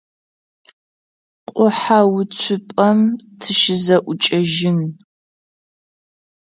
Къухьэуцупӏэм тыщызэӏукӏэжьын.